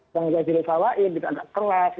bang zazil fawai agak keras